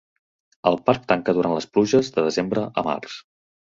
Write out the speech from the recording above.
El parc tanca durant les pluges de desembre a març.